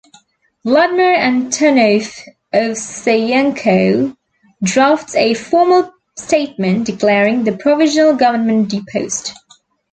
Vladimir Antonov-Ovseyenko drafts a formal statement declaring the Provisional Government deposed.